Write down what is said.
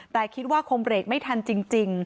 แต่คิดว่าคงเบรกไม่ทันจริง